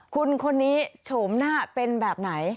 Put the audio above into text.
คุณคนนี้โฉมหน้าเป็นแบบไหน